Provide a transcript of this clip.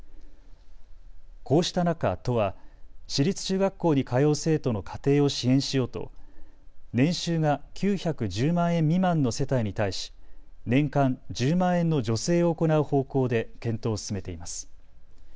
こうした中、都は私立中学校に通う生徒の家庭を支援しようと年収が９１０万円未満の世帯に対し年間１０万円の助成を行う方向で検討を進めています。